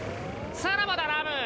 さらばだラム！